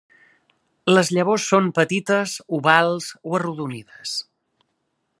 Les llavors són petites, ovals o arrodonides.